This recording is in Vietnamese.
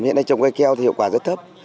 hiện nay trồng cây keo thì hiệu quả rất thấp